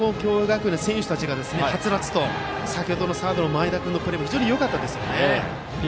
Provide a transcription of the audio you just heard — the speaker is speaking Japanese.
共栄学園の選手たちがはつらつとしていて先程のサードの前田君のプレーもよかったですね。